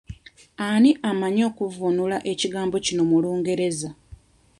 Ani amanyi okuvvuunula ekigambo kino mu Lungereza?